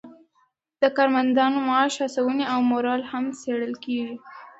د کارمندانو معاش، هڅونې او مورال هم څیړل کیږي.